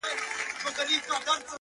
پير _ مُريد او ملا هم درپسې ژاړي _